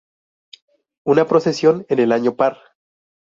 Una procesión en el año par.